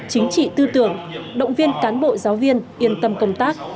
chính trị tư tưởng động viên cán bộ giáo viên yên tâm công tác